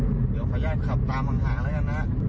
เดี๋ยวพะย่าขับตามหาแล้วกันนะ